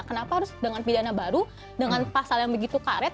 kenapa harus dengan pidana baru dengan pasal yang begitu karet